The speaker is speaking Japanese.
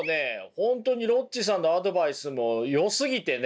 本当にロッチさんのアドバイスもよすぎてね